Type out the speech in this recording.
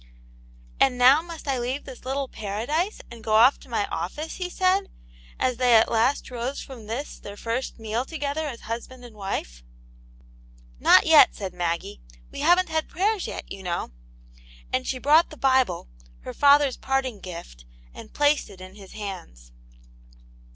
" And now must I leave this little paradise and go off to my office ?" he said, as they at last rose from this their first meal together as husband and wife. " Not yet," said Maggie ;*' we haven't had prayers yet, you know." And she brought the Bible, her father's parting gift, and placed it in his hands.